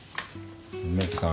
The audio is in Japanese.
梅木さん